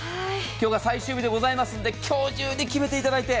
今日が最終日でございますので、今日中に決めていただいて、